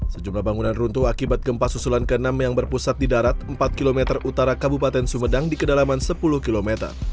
sejumlah bangunan runtuh akibat gempa susulan ke enam yang berpusat di darat empat km utara kabupaten sumedang di kedalaman sepuluh km